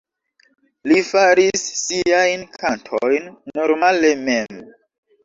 Li faris siajn kantojn normale mem.